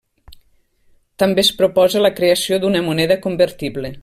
També es proposa la creació d’una moneda convertible.